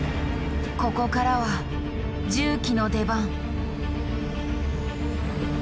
ここからは重機の出番。